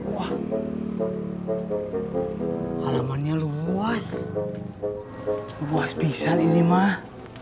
wah halamannya luas luas pisan ini mah